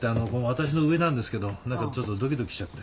私の上なんですけど何かちょっとドキドキしちゃって。